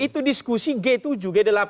itu diskusi g tujuh g delapan